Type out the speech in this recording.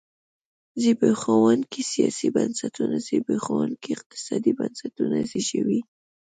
زبېښونکي سیاسي بنسټونه زبېښونکي اقتصادي بنسټونه زېږوي.